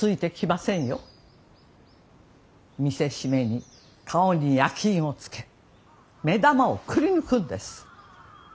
見せしめに顔に焼き印をつけ目玉をくりぬくんです！